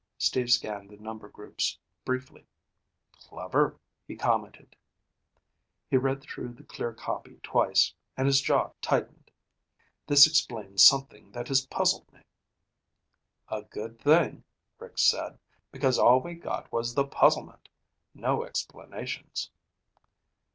Steve scanned the number groups briefly. "Clever," he commented. He read through the clear copy twice, and his jaw tightened. "This explains something that has puzzled me." "A good thing," Rick said. "Because all we got was the puzzlement. No explanations."